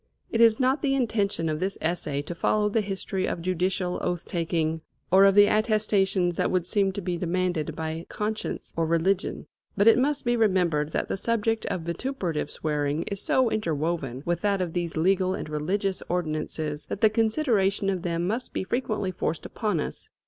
It is not the intention of this essay to follow the history of judicial oath taking, or of the attestations that would seem to be demanded by conscience or religion. But it must be remembered that the subject of vituperative swearing is so interwoven with that of these legal and religious ordinances, that the consideration of them must be frequently forced upon us.